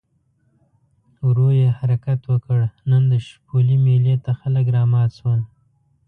ورو یې حرکت وکړ، نن د شپولې مېلې ته خلک رامات شول.